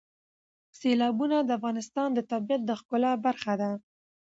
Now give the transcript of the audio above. سیلابونه د افغانستان د طبیعت د ښکلا برخه ده.